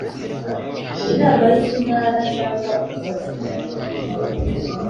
Inama y Intara cyangwa Umujyi wa Kigali